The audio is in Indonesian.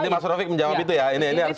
nanti mas rofiq menjawab itu ya ini harus